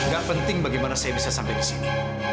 gak penting bagaimana saya bisa sampai disini